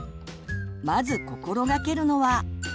まず心がけるのは。